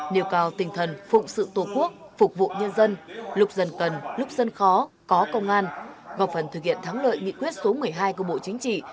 nêu cao tinh thần phụng sự tổ quốc phục vụ nhân dân lúc dân cần lúc dân khó có công an góp phần thực hiện thắng lợi nghị quyết số một mươi hai của bộ chính trị